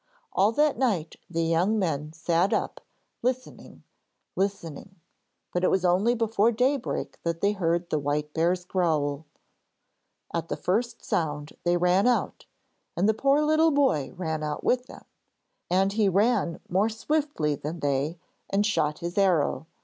All that night the young men sat up, listening, listening; but it was only before daybreak that they heard the white bear's growl. At the first sound they ran out, and the poor little boy ran out with them, and he ran more swiftly than they and shot his arrow.